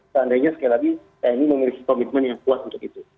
seandainya sekali lagi tni memiliki komitmen yang kuat untuk itu